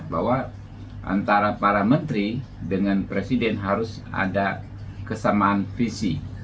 bahwa antara para menteri dengan presiden harus ada kesamaan visi